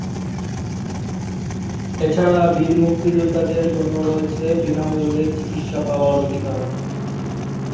এছাড়া বীর মুক্তিযোদ্ধাদের জন্য রয়েছে বিনামূল্যে চিকিৎসা পাওয়ার অধিকার।